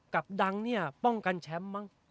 กับดังป้องกันแชมพ์บ้าง